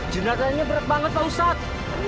jenazahnya berat banget pak ustadz